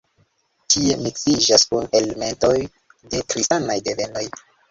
Ĉie miksiĝas kun elementoj de kristanaj devenoj.